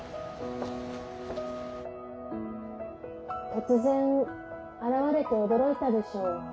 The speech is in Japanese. ・突然現れて驚いたでしょう。